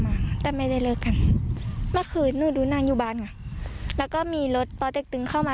เมื่อคืนหนูดูนางอยู่บ้านค่ะแล้วก็มีรถพอเด็กตึงเข้ามา